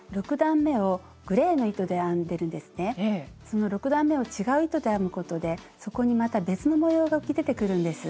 その６段めを違う糸で編むことでそこにまた別の模様が浮き出てくるんです。